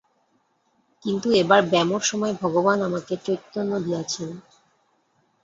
কিন্তু এবার ব্যামোর সময় ভগবান আমাকে চৈতন্য দিয়াছেন।